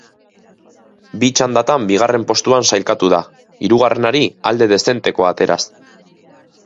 Bi txandatan bigarren postuan sailkatu da, hirugarrenari alde dezentekoa ateraz.